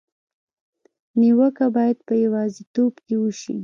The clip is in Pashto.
نیوکه باید په یوازېتوب کې وشي.